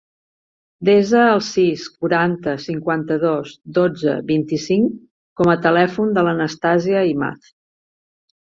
Desa el sis, quaranta, cinquanta-dos, dotze, vint-i-cinc com a telèfon de l'Anastàsia Imaz.